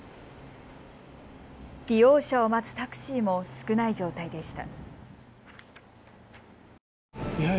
利用者を待つタクシーも少ない状態でした。